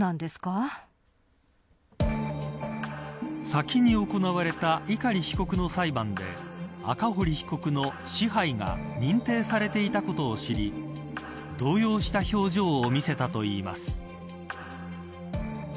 先に行われた碇被告の裁判で赤堀被告の支配が認定されていたことを知り動揺した表情を見せたといいます。